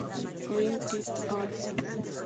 Ren et al.